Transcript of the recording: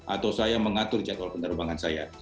atau saya mengatur jadwal penerbangan saya